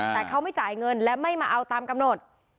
แต่เขาไม่จ่ายเงินและไม่มาเอาตามกำหนด